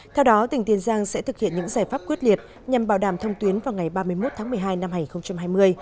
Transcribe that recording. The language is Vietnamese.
theo đó tỉnh tiền giang sẽ thực hiện những giải pháp quyết liệt nhằm bảo đảm thông tuyến vào ngày ba mươi một tháng một mươi hai năm hai nghìn hai mươi